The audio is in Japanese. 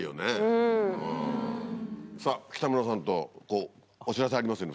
うんさぁ北村さんとお知らせありますよね